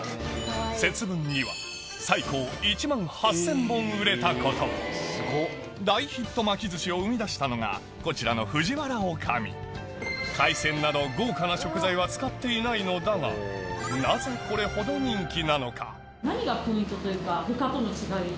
節分には売れたことも大ヒット巻き寿司を生み出したのがこちらの藤原女将海鮮など豪華な食材は使っていないのだが他との違い。